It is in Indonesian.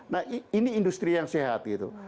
nah ini industri yang sehat gitu